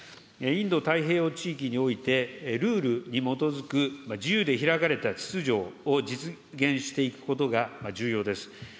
インド太平洋地域において、ルールに基づく自由で開かれた秩序を実現していくことが重要です。